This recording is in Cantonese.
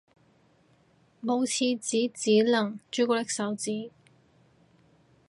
冇廁紙只能朱古力手指